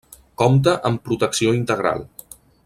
Compta amb protecció integral.